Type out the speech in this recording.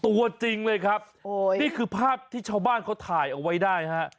ตัวจริงเลยครับโอ้ยนี่คือภาพที่ชาวบ้านเขาถ่ายเอาไว้ได้ฮะ